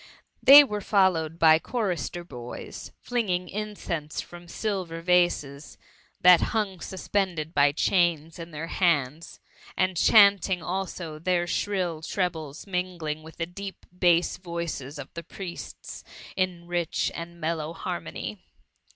They were followed by chorister boys, flinging in eeuse from silver vases, that hung suspended by diains in their, bauds, and chanting also; tfadr shrill trebles mingling with the deep bass voices of the priests in rich and mel low harmony.